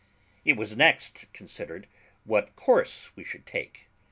It was next considered what course we should take.